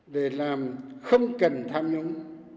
để làm không cần tham nhũng